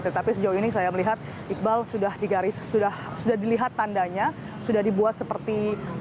tetapi sejauh ini saya melihat iqbal sudah digaris sudah dilihat tandanya sudah dibuat seperti